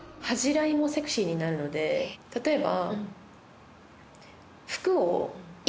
例えば。